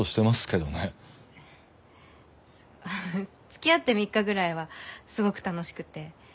つきあって３日ぐらいはすごく楽しくて。